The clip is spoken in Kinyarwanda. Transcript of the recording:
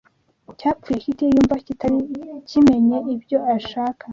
cyapfuye kitiyumva kitari kimenye ibyo ashaka